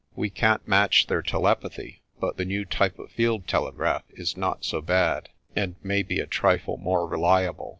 We can't match their telepathy j but the new type of field telegraph is not so bad, and may be a trifle more reliable."